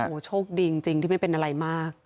โอ้โหโชคดีจริงที่ไม่เป็นอะไรมาก